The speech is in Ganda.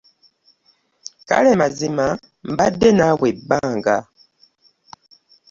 Kale mazima mbadde naawe ebbanga.